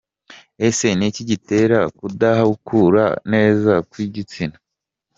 Ese ni iki gitera kudakura neza kw’igitsina ?.